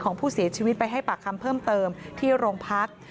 ของผู้เสียชีวิตไปให้ปากคำเพิ่มเติมที่โรงพัก